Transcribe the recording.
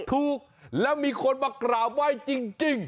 ถูกแล้วมีคนมากราบไหว้จริง